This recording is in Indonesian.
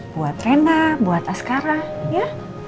buat rena buat askara ya